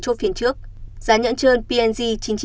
chốt phiên trước giá nhãn trơn pnz